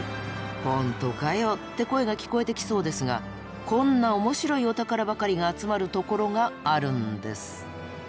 「本当かよ」って声が聞こえてきそうですがこんな面白いお宝ばかりが集まるところがあるんです。